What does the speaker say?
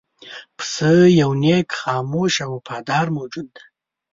پسه یو نېک، خاموش او وفادار موجود دی.